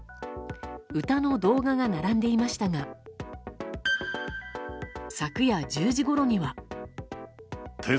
歌の動画が並んでいましたが昨夜１０時ごろには。